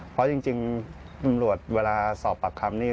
เพราะจริงตำรวจเวลาสอบปากคำนี่